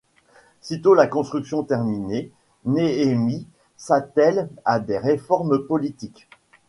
Sitôt la construction terminée, Néhémie s'attelle à des réformes politiques.